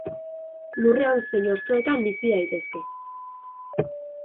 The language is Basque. Lurrean zein hostoetan bizi daitezke.